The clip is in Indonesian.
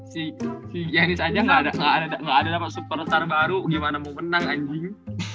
si janis aja gak ada dapet super star baru gimana mau menang anjing